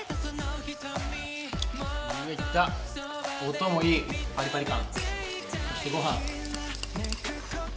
音もいい、パリパリ感。